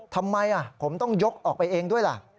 ทำไมผมต้องยกออกไปเองด้วยล่ะ